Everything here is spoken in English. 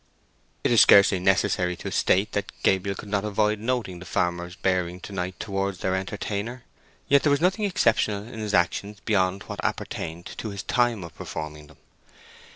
It is scarcely necessary to state that Gabriel could not avoid noting the farmer's bearing to night towards their entertainer. Yet there was nothing exceptional in his actions beyond what appertained to his time of performing them.